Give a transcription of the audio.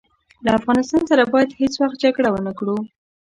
له افغانستان سره باید هیڅ وخت جګړه ونه کړو.